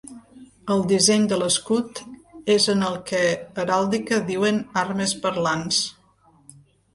El disseny de l'escut és en el que heràldica diuen armes parlants.